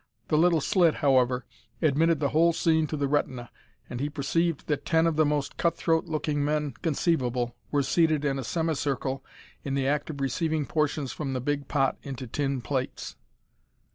The little slit however, admitted the whole scene to the retina, and he perceived that ten of the most cut throat looking men conceivable were seated in a semicircle in the act of receiving portions from the big pot into tin plates.